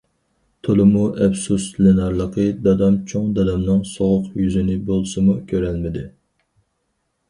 تولىمۇ ئەپسۇسلىنارلىقى دادام چوڭ دادامنىڭ سوغۇق يۈزىنى بولسىمۇ كۆرەلمىدى.